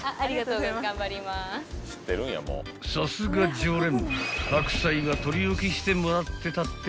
［さすが常連］